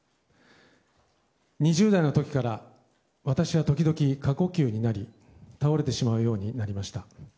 ２０代の時から私は時々、過呼吸になり倒れてしまうようになりました。